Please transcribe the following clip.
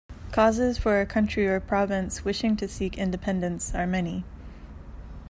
Causes for a country or province wishing to seek independence are many.